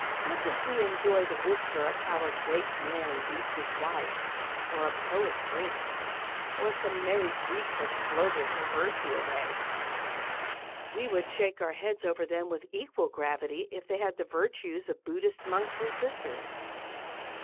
Much as we enjoy the whisper of how a great man beats his wife, or a poet drinks, or some merry Greek has flirted her virtue away, we would shake our heads over them with equal gravity if they had the virtues of Buddhist monks and sisters.